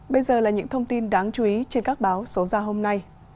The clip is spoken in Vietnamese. bây giờ là những thông tin đáng chú ý trên các báo số ra hôm nay